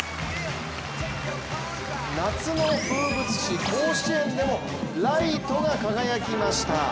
夏の風物詩・甲子園でもライトが輝きました。